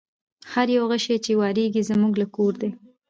هر یو غشی چي واریږي زموږ له کور دی